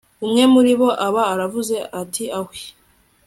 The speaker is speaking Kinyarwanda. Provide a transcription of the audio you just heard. umwe muribo aba aravuze ati ahwiih